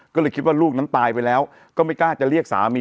ก็เลยคิดว่าลูกนั้นตายไปแล้วก็ไม่กล้าจะเรียกสามี